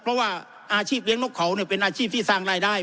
เพราะว่าอาชีพเลี้ยงนกเขาเป็นอาชีพที่สร้างรายได้